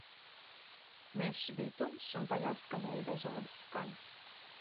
Mežs bija tumšs un tajā skanēja dažādas skaņas